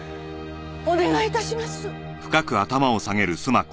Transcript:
お願い致します。